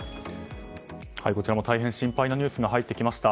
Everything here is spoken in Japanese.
大変心配なニュースが入ってきました。